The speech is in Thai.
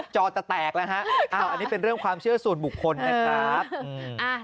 จอจะแตกแล้วฮะอ้าวอันนี้เป็นเรื่องความเชื่อส่วนบุคคลนะครับอืมอ่า